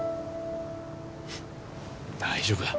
大丈夫だ。